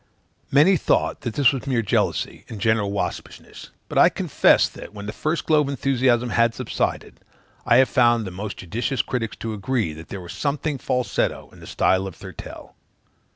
Many thought that this was mere jealousy, and general waspishness; but I confess that, when the first glow of enthusiasm had subsided, I have found most judicious critics to agree that there was something falsetto in the style of Thurtell.